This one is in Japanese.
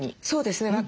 そうですね。